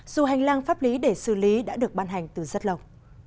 dù hành lang pháp lý để xử lý đã được ban hành từ rất lâu